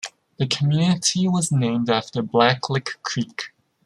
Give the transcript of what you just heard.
The community was named after Blacklick Creek.